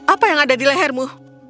apa yang ada di lehermu